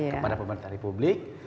kepada pemerintah republik